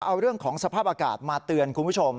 เอาเรื่องของสภาพอากาศมาเตือนคุณผู้ชม